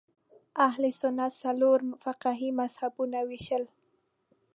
اهل سنت څلورو فقهي مذهبونو وېشل